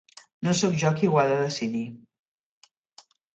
No soc jo qui ho ha de decidir.